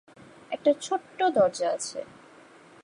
একটা ছোট্ট দরজা আছে।